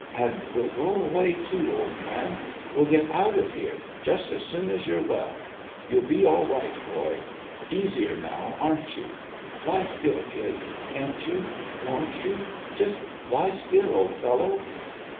And we'll go away, too, old man we'll get out of here just as soon as you're well. You'll be all right, boy. Easier now, aren't you ? Lie still, kid. Can't you won't you just lie still, old fellow